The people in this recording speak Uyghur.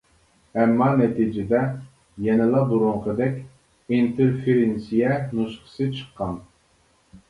ئەمما نەتىجىدە يەنىلا بۇرۇنقىدەك ئىنتېرفېرىنسىيە نۇسخىسى چىققان.